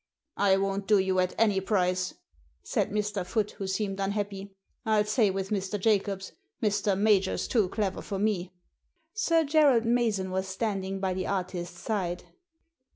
"I won't do you at any price," said Mr. Foote, who seemed unhappy. '*I say with Mr. Jacobs — Mr. Major's too clever for me." Sir Gerald Mason was standing by the artist's side.